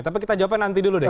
tapi kita jawabnya nanti dulu deh